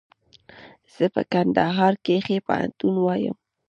زه په کندهار کښي پوهنتون وایم.